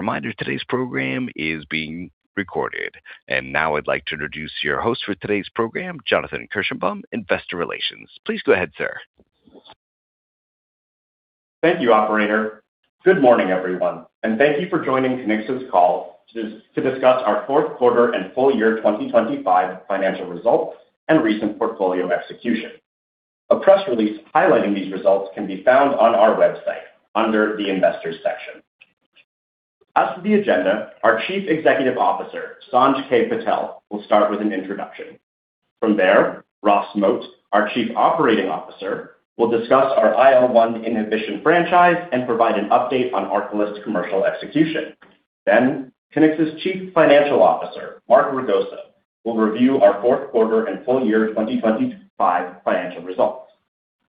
Reminder, today's program is being recorded. Now I'd like to introduce your host for today's program, Jonathan Kirshenbaum, Investor Relations. Please go ahead, sir. Thank you, operator. Good morning, everyone, and thank you for joining Kiniksa's call to discuss our fourth quarter and full-year 2025 financial results and recent portfolio execution. A press release highlighting these results can be found on our website under the Investors section. As to the agenda, our Chief Executive Officer, Sanj K. Patel, will start with an introduction. From there, Ross Moat, our Chief Operating Officer, will discuss our IL-1 inhibition franchise and provide an update on ARCALYST's commercial execution. Then Kiniksa's Chief Financial Officer, Mark Ragosa, will review our fourth quarter and full year 2025 financial results.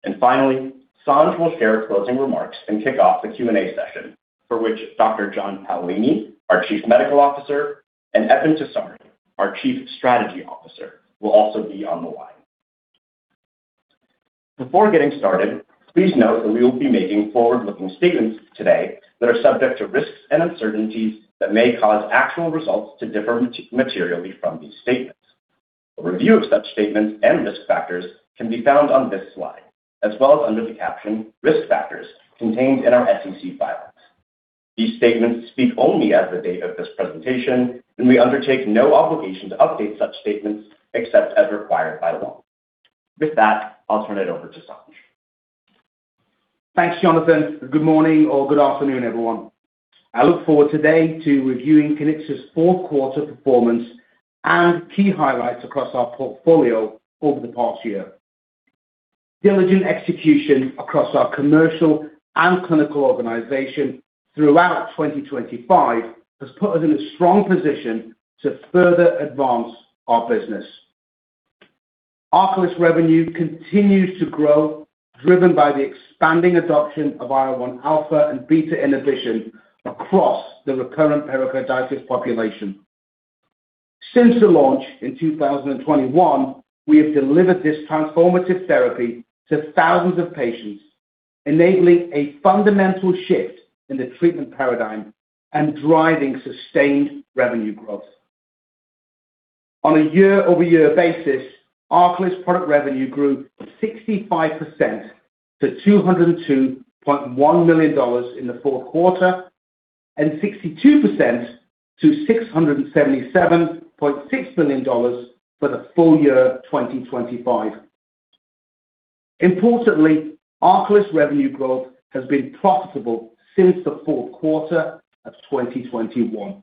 And finally, Sanj will share closing remarks and kick off the Q&A session, for which Dr. John Paolini, our Chief Medical Officer, and Eben Tessari, our Chief Strategy Officer, will also be on the line. Before getting started, please note that we will be making forward-looking statements today that are subject to risks and uncertainties that may cause actual results to differ materially from these statements. A review of such statements and risk factors can be found on this slide, as well as under the caption "Risk Factors" contained in our SEC filings. These statements speak only as the date of this presentation. We undertake no obligation to update such statements except as required by law. With that, I'll turn it over to Sanj. Thanks, Jonathan. Good morning or good afternoon, everyone. I look forward today to reviewing Kiniksa's fourth quarter performance and key highlights across our portfolio over the past year. Diligent execution across our commercial and clinical organization throughout 2025 has put us in a strong position to further advance our business. ARCALYST revenue continues to grow, driven by the expanding adoption of IL-1 alpha and beta inhibition across the recurrent pericarditis population. Since the launch in 2021, we have delivered this transformative therapy to thousands of patients, enabling a fundamental shift in the treatment paradigm and driving sustained revenue growth. On a year-over-year basis, ARCALYST product revenue grew 65% to $202.1 million in the fourth quarter, and 62% to $677.6 million for the full year 2025. Importantly, ARCALYST revenue growth has been profitable since the fourth quarter of 2021.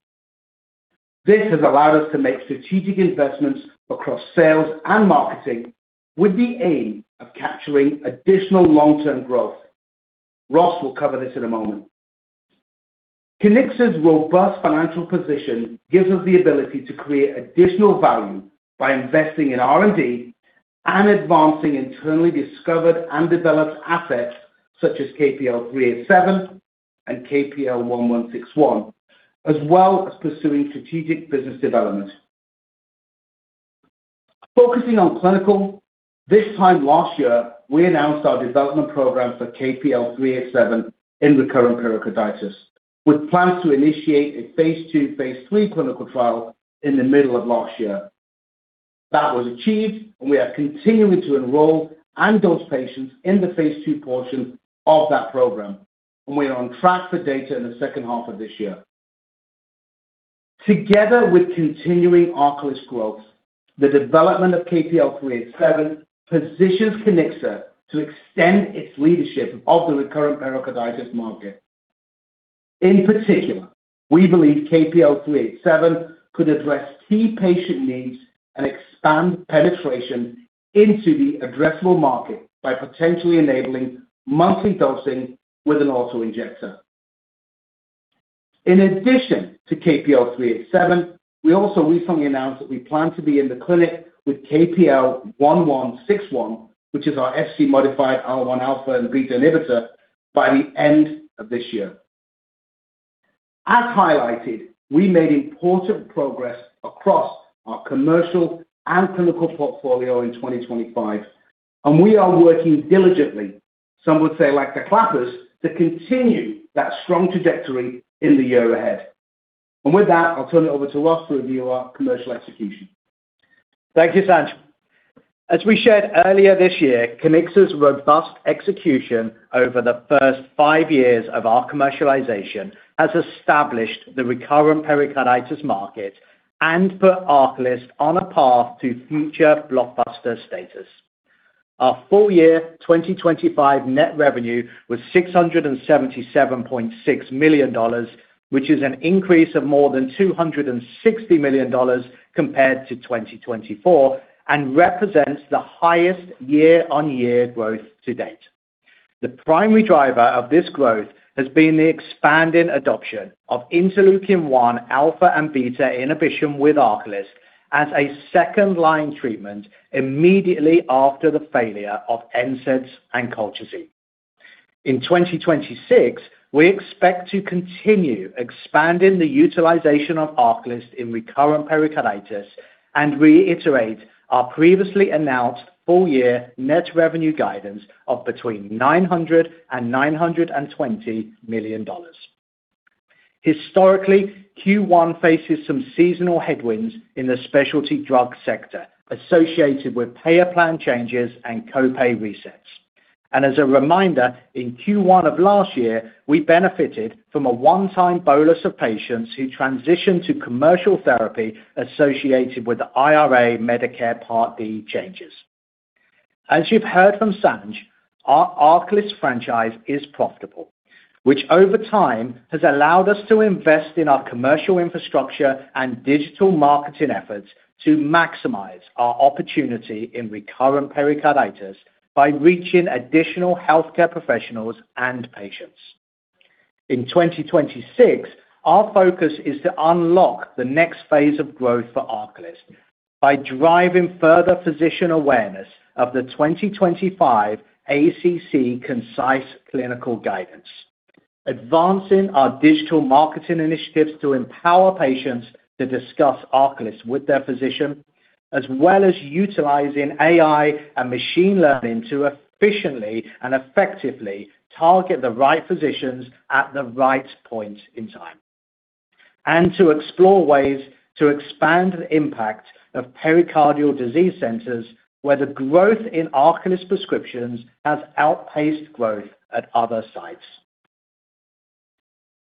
This has allowed us to make strategic investments across sales and marketing, with the aim of capturing additional long-term growth. Ross will cover this in a moment. Kiniksa's robust financial position gives us the ability to create additional value by investing in R&D and advancing internally discovered and developed assets such as KPL-387 and KPL-1161, as well as pursuing strategic business development. Focusing on clinical, this time last year, we announced our development program for KPL-387 in recurrent pericarditis, with plans to initiate a phase II, phase III clinical trial in the middle of last year. That was achieved. We are continuing to enroll and dose patients in the phase II portion of that program, and we are on track for data in the second half of this year. Together with continuing ARCALYST growth, the development of KPL-387 positions Kiniksa to extend its leadership of the recurrent pericarditis market. In particular, we believe KPL-387 could address key patient needs and expand penetration into the addressable market by potentially enabling monthly dosing with an auto-injector. In addition to KPL-387, we also recently announced that we plan to be in the clinic with KPL-1161, which is our Fc-modified R one alpha and beta inhibitor, by the end of this year. As highlighted, we made important progress across our commercial and clinical portfolio in 2025, and we are working diligently, some would say like the clappers, to continue that strong trajectory in the year ahead. With that, I'll turn it over to Ross to review our commercial execution. Thank you, Sanj. As we shared earlier this year, Kiniksa's robust execution over the first five years of our commercialization has established the recurrent pericarditis market and put ARCALYST on a path to future blockbuster status. Our full-year 2025 net revenue was $677.6 million, which is an increase of more than $260 million compared to 2024 and represents the highest year-on-year growth to date. The primary driver of this growth has been the expanding adoption of interleukin-1 alpha and beta inhibition with ARCALYST as a second-line treatment immediately after the failure of NSAIDs and colchicine. In 2026, we expect to continue expanding the utilization of ARCALYST in recurrent pericarditis and reiterate our previously announced full-year net revenue guidance of between $900 million and $920 million. Historically, Q1 faces some seasonal headwinds in the specialty drug sector associated with payer plan changes and co-pay resets. As a reminder, in Q1 of last year, we benefited from a one-time bolus of patients who transitioned to commercial therapy associated with the IRA Medicare Part D changes. As you've heard from Sanj, our ARCALYST franchise is profitable, which over time has allowed us to invest in our commercial infrastructure and digital marketing efforts to maximize our opportunity in recurrent pericarditis by reaching additional healthcare professionals and patients. In 2026, our focus is to unlock the next phase of growth for ARCALYST by driving further physician awareness of the 2025 ACC Concise Clinical Guidance, advancing our digital marketing initiatives to empower patients to discuss ARCALYST with their physician, as well as utilizing AI and machine learning to efficiently and effectively target the right physicians at the right point in time, and to explore ways to expand the impact of pericardial disease centers, where the growth in ARCALYST prescriptions has outpaced growth at other sites.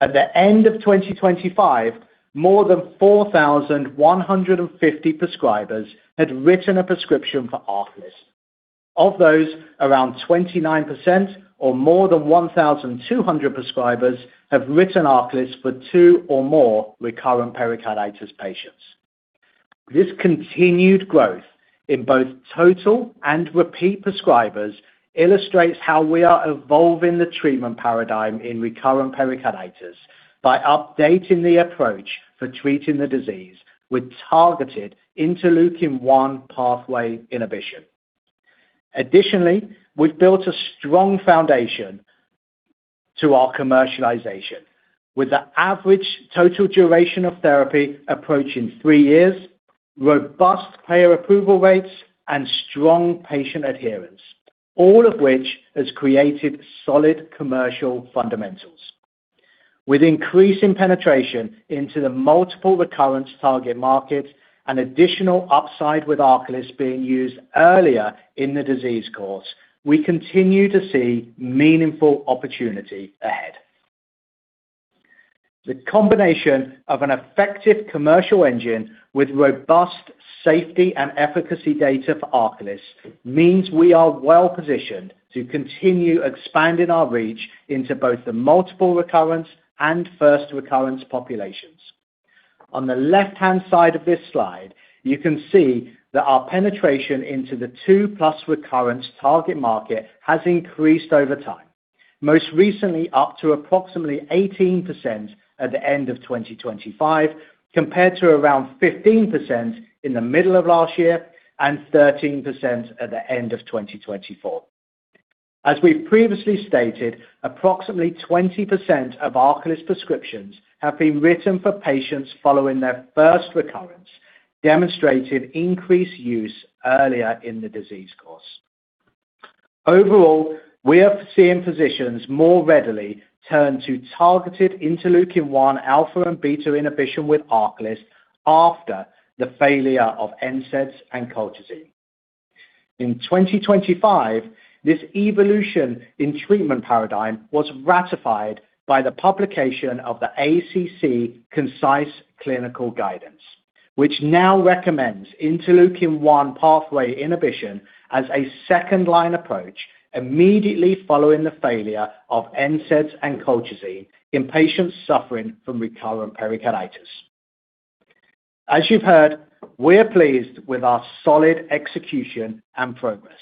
At the end of 2025, more than 4,150 prescribers had written a prescription for ARCALYST. Of those, around 29% or more than 1,200 prescribers have written ARCALYST for two or more recurrent pericarditis patients. This continued growth in both total and repeat prescribers illustrates how we are evolving the treatment paradigm in recurrent pericarditis by updating the approach for treating the disease with targeted interleukin-1 pathway inhibition. Additionally, we've built a strong foundation to our commercialization, with the average total duration of therapy approaching three years, robust payer approval rates, and strong patient adherence, all of which has created solid commercial fundamentals. With increasing penetration into the multiple recurrence target markets and additional upside with ARCALYST being used earlier in the disease course, we continue to see meaningful opportunity ahead. The combination of an effective commercial engine with robust safety and efficacy data for ARCALYST means we are well-positioned to continue expanding our reach into both the multiple recurrence and first recurrence populations. On the left-hand side of this slide, you can see that our penetration into the two-plus recurrence target market has increased over time, most recently up to approximately 18% at the end of 2025, compared to around 15% in the middle of last year and 13% at the end of 2024. As we've previously stated, approximately 20% of ARCALYST prescriptions have been written for patients following their first recurrence, demonstrating increased use earlier in the disease course. Overall, we are seeing physicians more readily turn to targeted interleukin-1 alpha and beta inhibition with ARCALYST after the failure of NSAIDs and colchicine. In 2025, this evolution in treatment paradigm was ratified by the publication of the ACC Concise Clinical Guidance, which now recommends interleukin-1 pathway inhibition as a second-line approach immediately following the failure of NSAIDs and colchicine in patients suffering from recurrent pericarditis. As you've heard, we are pleased with our solid execution and progress,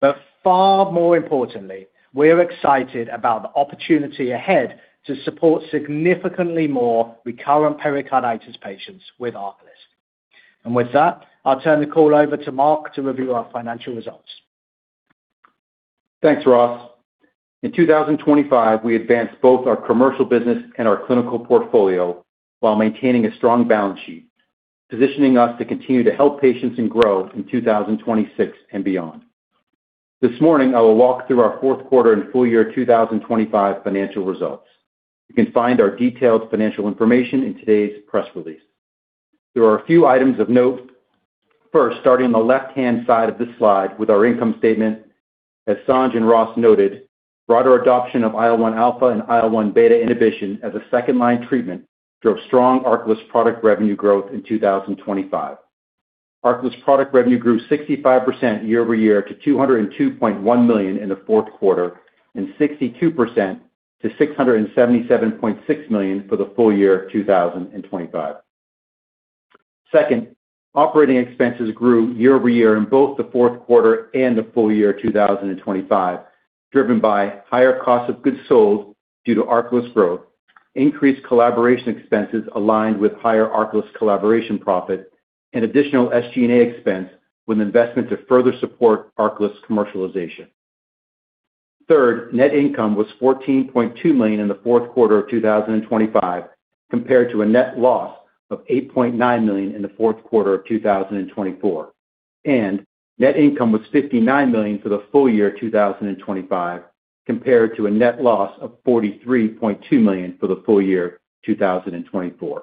but far more importantly, we are excited about the opportunity ahead to support significantly more recurrent pericarditis patients with ARCALYST. With that, I'll turn the call over to Mark to review our financial results. Thanks, Ross. In 2025, we advanced both our commercial business and our clinical portfolio while maintaining a strong balance sheet, positioning us to continue to help patients and grow in 2026 and beyond. This morning, I will walk through our fourth quarter and full-year 2025 financial results. You can find our detailed financial information in today's press release. There are a few items of note. First, starting on the left-hand side of this slide with our income statement. As Sanj and Ross noted, broader adoption of IL-1 alpha and IL-1 beta inhibition as a second-line treatment drove strong ARCALYST product revenue growth in 2025. ARCALYST product revenue grew 65% year-over-year to $202.1 million in the fourth quarter, and 62% to $677.6 million for the full year 2025. Second, operating expenses grew year-over-year in both the fourth quarter and the full year 2025, driven by higher cost of goods sold due to ARCALYST growth, increased collaboration expenses aligned with higher ARCALYST collaboration profit, and additional SG&A expense with investment to further support ARCALYST commercialization. Third, net income was $14.2 million in the fourth quarter of 2025, compared to a net loss of $8.9 million in the fourth quarter of 2024. Net income was $59 million for the full year 2025, compared to a net loss of $43.2 million for the full year 2024.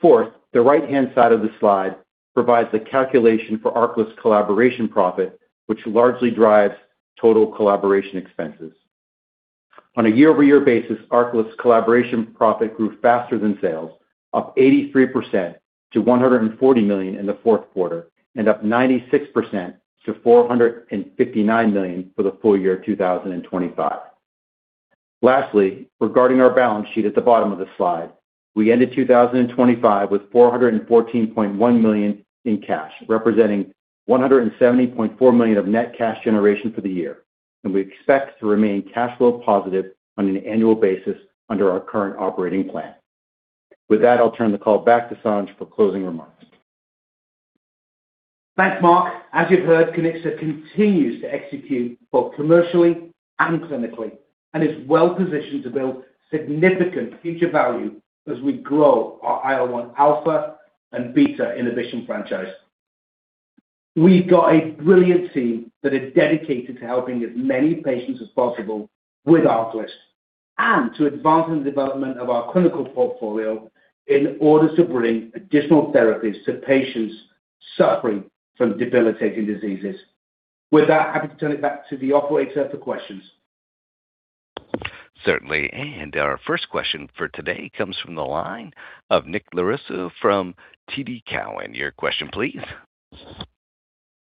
Fourth, the right-hand side of the slide provides a calculation for ARCALYST collaboration profit, which largely drives total collaboration expenses. On a year-over-year basis, ARCALYST collaboration profit grew faster than sales, up 83% to $140 million in the fourth quarter, and up 96% to $459 million for the full year 2025. Lastly, regarding our balance sheet at the bottom of the slide, we ended 2025 with $414.1 million in cash, representing $170.4 million of net cash generation for the year, and we expect to remain cash flow positive on an annual basis under our current operating plan. With that, I'll turn the call back to Sanj for closing remarks. Thanks, Mark. As you've heard, Kiniksa continues to execute both commercially and clinically, and is well positioned to build significant future value as we grow our IL-1 alpha and beta inhibition franchise. We've got a brilliant team that is dedicated to helping as many patients as possible with ARCALYST, and to advancing the development of our clinical portfolio in order to bring additional therapies to patients suffering from debilitating diseases. With that, happy to turn it back to the operator for questions. Certainly. Our first question for today comes from the line of Nick Lorusso from TD Cowen. Your question, please.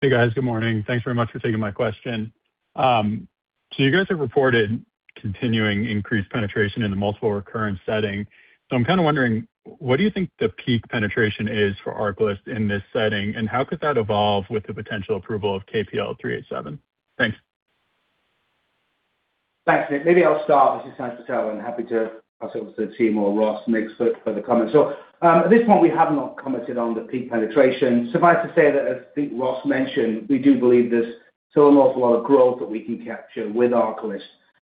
Hey, guys. Good morning. Thanks very much for taking my question. You guys have reported continuing increased penetration in the multiple recurrent setting. I'm kind of wondering, what do you think the peak penetration is for ARCALYST in this setting, and how could that evolve with the potential approval of KPL-387? Thanks. Thanks, Nick. Maybe I'll start. This is Sanj Patel, and happy to pass over to the team or Ross makes further comments. At this point, we have not commented on the peak penetration. Suffice to say that, as I think Ross mentioned, we do believe there's still an awful lot of growth that we can capture with ARCALYST.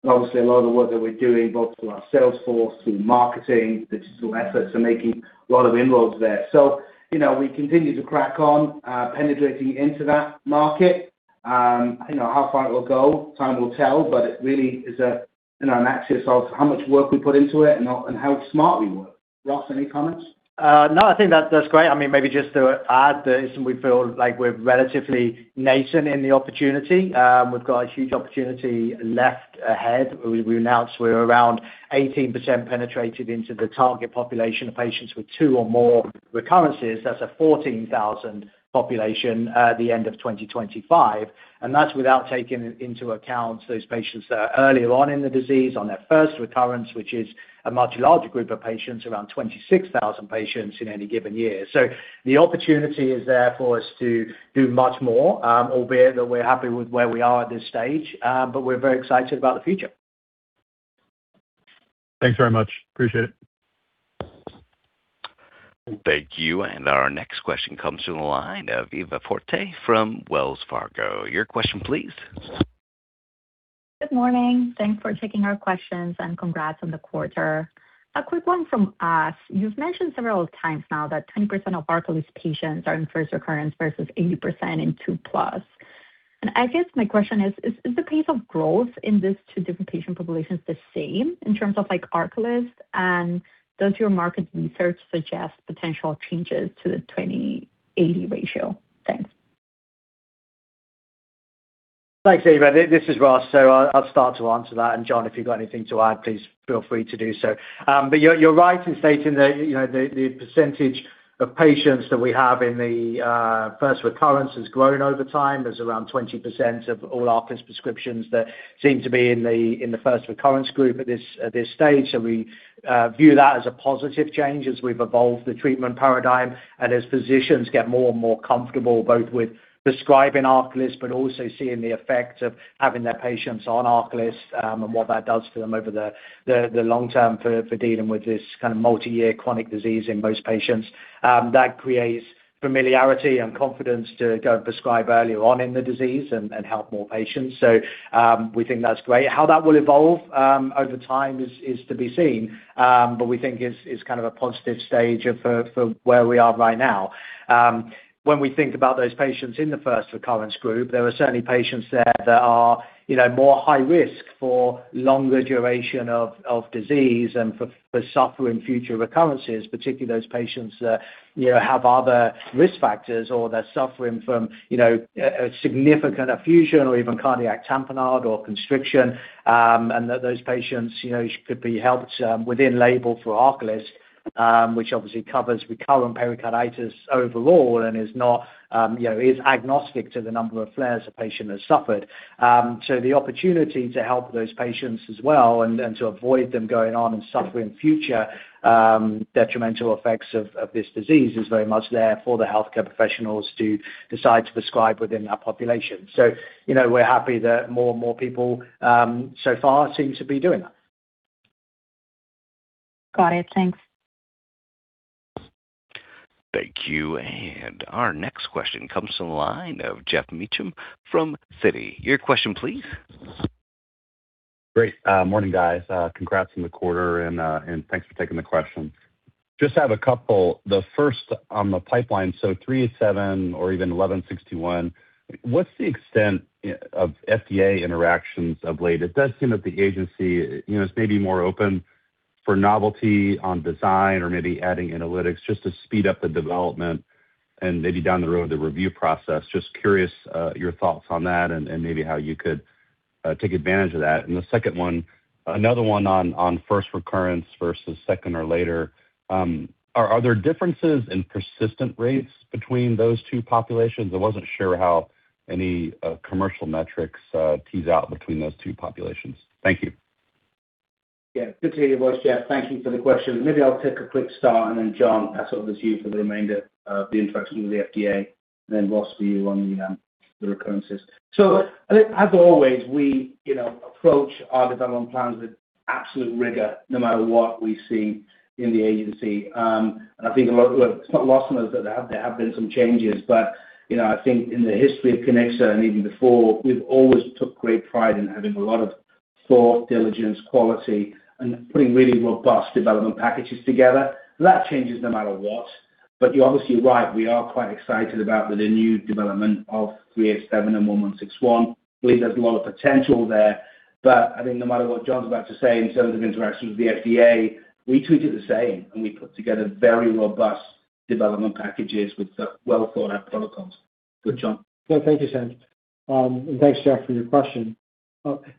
Obviously, a lot of the work that we're doing, both through our sales force, through marketing, digital efforts, are making a lot of inroads there. You know, we continue to crack on, penetrating into that market. You know, how far it will go? Time will tell, but it really is a, you know, an axis of how much work we put into it and how smart we work. Ross, any comments? No, I think that's great. I mean, maybe just to add that we feel like we're relatively nascent in the opportunity. We've got a huge opportunity left ahead. We announced we're around 18% penetrated into the target population of patients with two or more recurrences. That's a 14,000 population at the end of 2025, and that's without taking into account those patients that are earlier on in the disease, on their first recurrence, which is a much larger group of patients, around 26,000 patients in any given year. The opportunity is there for us to do much more, albeit that we're happy with where we are at this stage. We're very excited about the future. Thanks very much. Appreciate it. Thank you. Our next question comes from the line of Eva Fortea from Wells Fargo. Your question, please. Good morning. Thanks for taking our questions, and congrats on the quarter. A quick one from us. You've mentioned several times now that 20% of ARCALYST patients are in first recurrence versus 80% in 2+. I guess my question is: Is the pace of growth in these two different patient populations the same in terms of like ARCALYST? Does your market research suggest potential changes to the 20/80 ratio? Thanks. Thanks, Eva. This is Ross, so I'll start to answer that. John, if you've got anything to add, please feel free to do so. You're right in stating that, you know, the percentage of patients that we have in the first recurrence has grown over time. There's around 20% of all ARCALYST prescriptions that seem to be in the first recurrence group at this stage. We view that as a positive change as we've evolved the treatment paradigm and as physicians get more and more comfortable, both with describing ARCALYST but also seeing the effect of having their patients on ARCALYST, and what that does for them over the long term for dealing with this kind of multiyear chronic disease in most patients. That creates familiarity and confidence to go and prescribe earlier on in the disease and help more patients. We think that's great. How that will evolve over time is to be seen. We think it's kind of a positive stage of for where we are right now. When we think about those patients in the first recurrence group, there are certainly patients there that are, you know, more high risk for longer duration of disease and for suffering future recurrences, particularly those patients that, you know, have other risk factors or they're suffering from, you know, a significant effusion or even cardiac tamponade or constriction. That those patients, you know, could be helped within label for ARCALYST, which obviously covers recurrent pericarditis overall and is not, you know, is agnostic to the number of flares a patient has suffered. The opportunity to help those patients as well and to avoid them going on and suffering future detrimental effects of this disease is very much there for the healthcare professionals to decide to prescribe within our population. You know, we're happy that more and more people so far seem to be doing that. Got it. Thanks. Thank you. Our next question comes from the line of Geoff Meacham from Citi. Your question, please. Great. Morning, guys. Congrats on the quarter, and thanks for taking the questions. Just have a couple, the first on the pipeline. KPL-387, or even KPL-1161, what's the extent of FDA interactions of late? It does seem that the agency, you know, is maybe more open for novelty on design or maybe adding analytics just to speed up the development and maybe down the road, the review process. Just curious, your thoughts on that and maybe how you could take advantage of that. The second one, another one on first recurrence versus second or later. Are there differences in persistent rates between those two populations? I wasn't sure how any commercial metrics tease out between those two populations. Thank you. Good to hear your voice, Geoff. Thank you for the question. Maybe I'll take a quick start. John, I sort of just you for the remainder of the interaction with the FDA. Ross, to you on the recurrences. As always, we, you know, approach our development plans with absolute rigor, no matter what we see in the agency. I think it's not lost on us that there have been some changes, but, you know, I think in the history of Kiniksa and even before, we've always took great pride in having a lot of thought, diligence, quality, and putting really robust development packages together. That changes no matter what, but you're obviously right. We are quite excited about the new development of KPL-387 and KPL-1161. Believe there's a lot of potential there. I think no matter what John's about to say, in terms of interactions with the FDA, we treat it the same. We put together very robust development packages with well-thought-out protocols. Go, John. No, thank you, Sanj. Thanks, Geoff, for your question.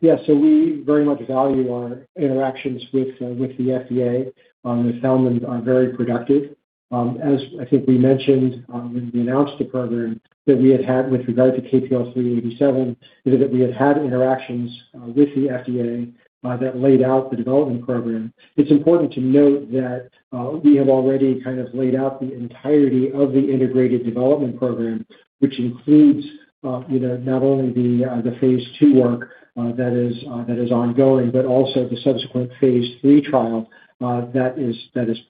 Yes, we very much value our interactions with the FDA. We found them are very productive. As I think we mentioned, when we announced the program that we had had with regard to KPL-387, is that we have had interactions with the FDA that laid out the development program. It's important to note that we have already kind of laid out the entirety of the integrated development program, which includes, you know, not only the phase II work that is ongoing, but also the subsequent phase III trial that is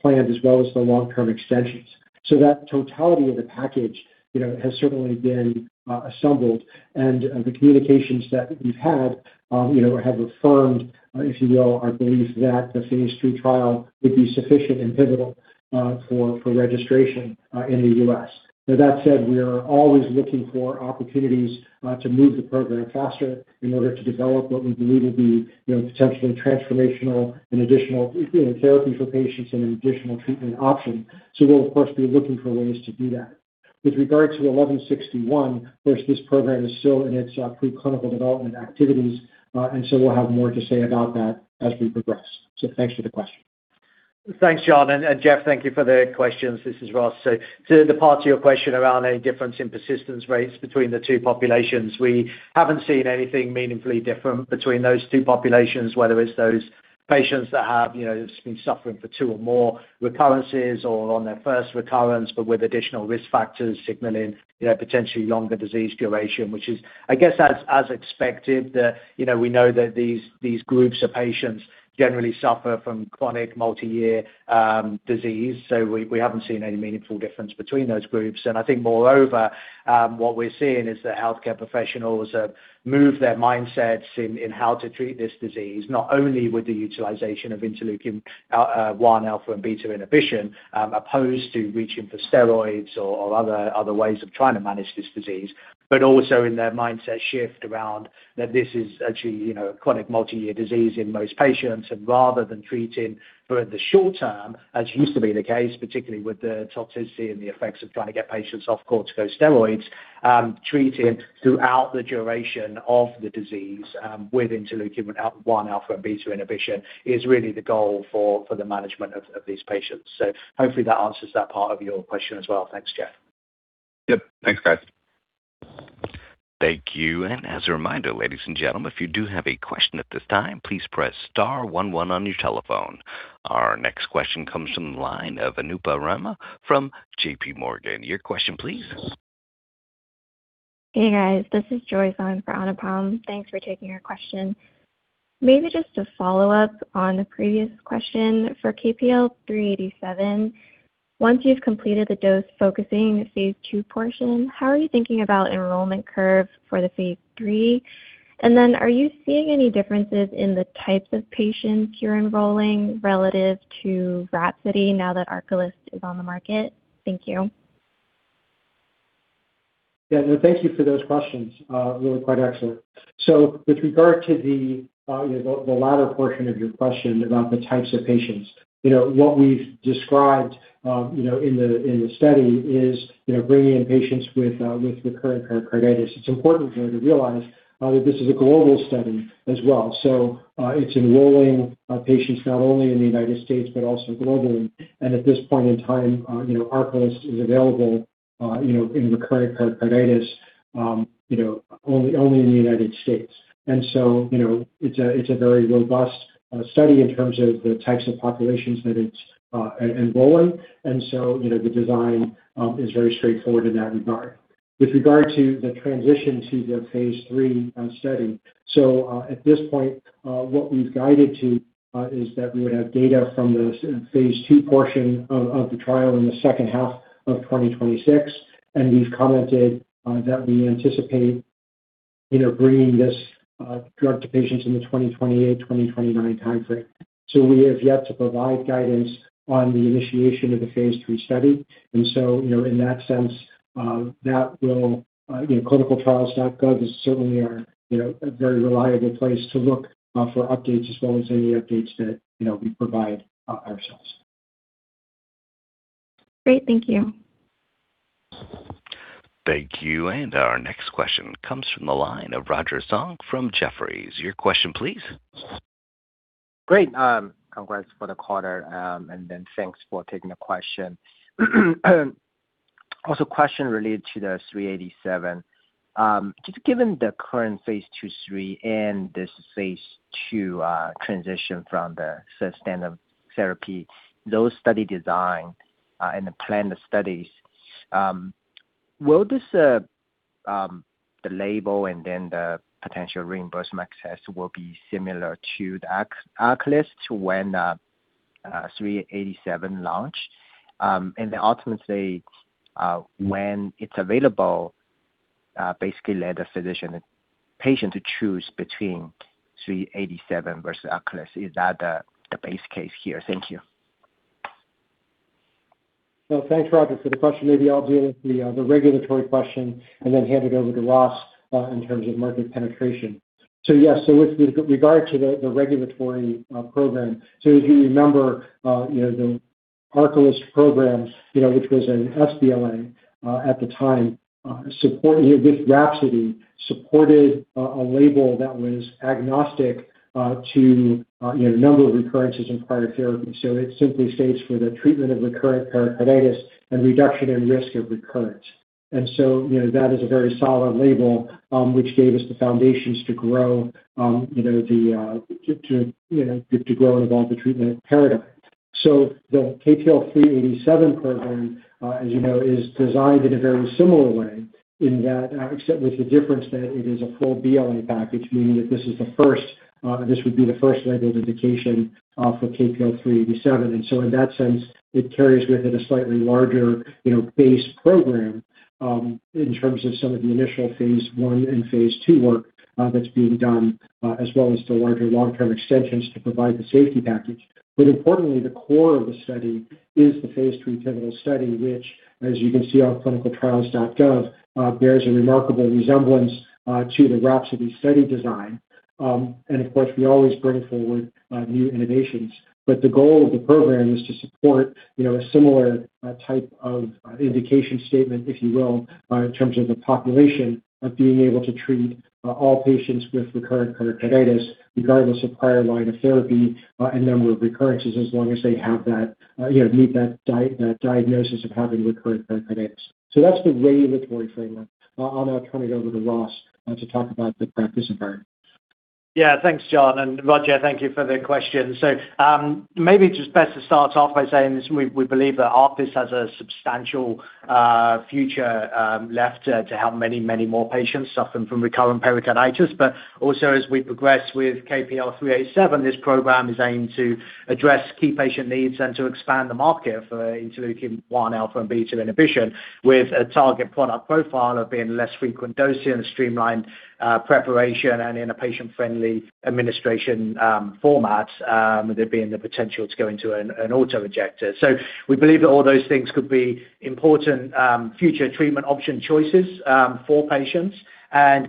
planned, as well as the long-term extensions. That totality of the package, you know, has certainly been assembled, and the communications that we've had, you know, have affirmed, if you will, our belief that the phase II trial would be sufficient and pivotal for registration in the U.S. That said, we are always looking for opportunities to move the program faster in order to develop what we believe will be, you know, potentially transformational and additional, you know, therapy for patients and an additional treatment option. We'll, of course, be looking for ways to do that. With regard to KPL-1161, of course, this program is still in its preclinical development activities, and so we'll have more to say about that as we progress. Thanks for the question. Thanks, John, and Geoff, thank you for the questions. This is Ross. To the part of your question around any difference in persistence rates between the two populations, we haven't seen anything meaningfully different between those two populations, whether it's those patients that have, you know, been suffering for two or more recurrences or on their first recurrence, but with additional risk factors signaling, you know, potentially longer disease duration, which is, I guess, as expected. You know, we know that these groups of patients generally suffer from chronic multi-year disease, we haven't seen any meaningful difference between those groups. I think moreover, what we're seeing is that healthcare professionals move their mindsets in how to treat this disease, not only with the utilization of interleukin-1 alpha and beta inhibition, opposed to reaching for steroids or other ways of trying to manage this disease, but also in their mindset shift around that this is actually, you know, a chronic multi-year disease in most patients. Rather than treating for the short term, as used to be the case, particularly with the toxicity and the effects of trying to get patients off corticosteroids, treating throughout the duration of the disease with interleukin-1 alpha and beta inhibition is really the goal for the management of these patients. Hopefully that answers that part of your question as well. Thanks, Geoff. Yep. Thanks, guys. Thank you. As a reminder, ladies and gentlemen, if you do have a question at this time, please press star one one on your telephone. Our next question comes from the line of Anupam Rama from JPMorgan. Your question, please. Hey, guys, this is Joyce on for Anupam. Thanks for taking our question. Maybe just to follow up on the previous question for KPL-387. Once you've completed the dose-focusing phase II portion, how are you thinking about enrollment curve for the phase III? Are you seeing any differences in the types of patients you're enrolling relative to RHAPSODY now that ARCALYST is on the market? Thank you. Yeah, thank you for those questions. Really quite excellent. With regard to the, you know, the latter portion of your question about the types of patients, you know, what we've described, you know, in the study is, you know, bringing in patients with recurrent pericarditis. It's important for me to realize that this is a global study as well. It's enrolling patients not only in the United States, but also globally. At this point in time, you know, ARCALYST is available, you know, in recurrent pericarditis, you know, only in the United States. It's a very robust study in terms of the types of populations that it's enrolling, and so, you know, the design is very straightforward in that regard. With regard to the transition to the phase III study. At this point, what we've guided to is that we would have data from the Phase II portion of the trial in the second half of 2026, and we've commented that, you know, bringing this drug to patients in the 2028, 2029 time frame. We have yet to provide guidance on the initiation of the phase III study. You know, in that sense, that will, you know, clinicaltrials.gov is certainly are, you know, a very reliable place to look for updates as well as any updates that, you know, we provide ourselves. Great. Thank you. Thank you. Our next question comes from the line of Roger Song from Jefferies. Your question, please. Great. Congrats for the quarter. Thanks for taking the question. Also question related to KPL-387. Just given the current phase II, phase III, and this phase II, transition from the standard therapy, those study design, and the plan of studies, will this, the label and then the potential reimbursement access will be similar to ARCALYST to when KPL-387 launched? Ultimately, when it's available, basically let the physician patient to choose between KPL-387 versus ARCALYST. Is that the base case here? Thank you. Well, thanks, Roger, for the question. Maybe I'll deal with the regulatory question and then hand it over to Ross in terms of market penetration. Yes, so with regard to the regulatory program, if you remember, you know, the ARCALYST program, you know, which was an sBLA at the time, supported with RHAPSODY, supported a label that was agnostic to, you know, number of recurrences in prior therapy. It simply states for the treatment of recurrent pericarditis and reduction in risk of recurrence. You know, that is a very solid label, which gave us the foundations to grow, you know, to grow and evolve the treatment paradigm. The KPL-387 program, as you know, is designed in a very similar way in that, except with the difference that it is a full BLA package, meaning that this is the first, this would be the first label indication, for KPL-387. In that sense, it carries with it a slightly larger, you know, base program, in terms of some of the initial phase I and phase II work, that's being done, as well as the larger long-term extensions to provide the safety package. Importantly, the core of the study is the phase III pivotal study, which, as you can see on ClinicalTrials.gov, bears a remarkable resemblance to the RHAPSODY study design. Of course, we always bring forward new innovations. The goal of the program is to support, you know, a similar type of indication statement, if you will, in terms of the population, of being able to treat all patients with recurrent pericarditis, regardless of prior line of therapy, and number of recurrences, as long as they have that, you know, meet that diagnosis of having recurrent pericarditis. That's the regulatory framework. I'll now turn it over to Ross to talk about the practice environment. Yeah. Thanks, John, and Roger, thank you for the question. Maybe it's just best to start off by saying this, we believe that ARCALYST has a substantial future left to help many, many more patients suffering from recurrent pericarditis. Also, as we progress with KPL-387, this program is aimed to address key patient needs and to expand the market for interleukin-1 alpha and beta inhibition, with a target product profile of being less frequent dosing, a streamlined preparation, and in a patient-friendly administration format, there being the potential to go into an auto-injector. We believe that all those things could be important future treatment option choices for patients.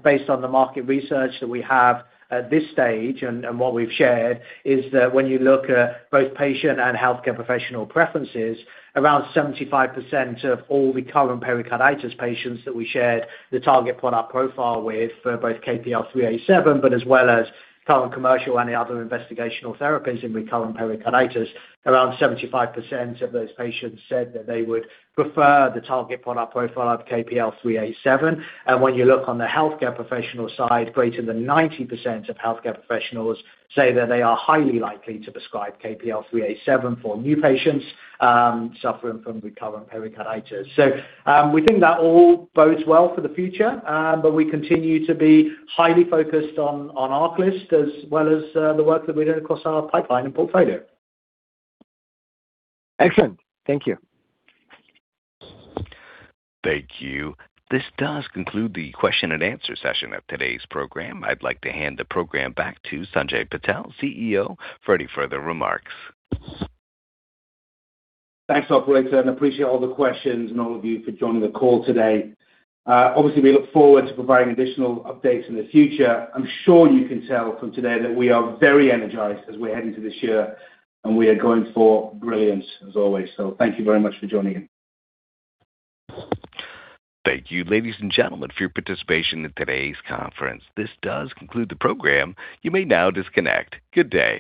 Based on the market research that we have at this stage, and what we've shared, is that when you look at both patient and healthcare professional preferences, around 75% of all recurrent pericarditis patients that we shared the target product profile with for both KPL-387, but as well as current commercial and the other investigational therapies in recurrent pericarditis, around 75% of those patients said that they would prefer the target product profile of KPL-387. When you look on the healthcare professional side, greater than 90% of healthcare professionals say that they are highly likely to prescribe KPL-387 for new patients, suffering from recurrent pericarditis. We think that all bodes well for the future, but we continue to be highly focused on ARCALYST as well as, the work that we do across our pipeline and portfolio. Excellent. Thank you. Thank you. This does conclude the question-and-answer session of today's program. I'd like to hand the program back to Sanj K. Patel, CEO, for any further remarks. Thanks, operator, appreciate all the questions and all of you for joining the call today. Obviously, we look forward to providing additional updates in the future. I'm sure you can tell from today that we are very energized as we head into this year, and we are going for brilliance as always. Thank you very much for joining in. Thank you, ladies and gentlemen, for your participation in today's conference. This does conclude the program. You may now disconnect. Good day!